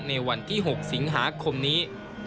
ในวันที่๖สิงหาคมนี้